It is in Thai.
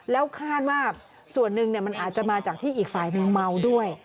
แล้วคาดว่าส่วนหนึ่งมันอาจจะมาจากที่อีกฝ่ายหนึ่งเมาด้วย